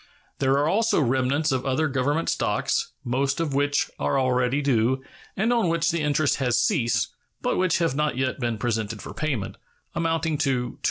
There are also remnants of other Government stocks, most of which are already due, and on which the interest has ceased, but which have not yet been presented for payment, amounting to $233,179.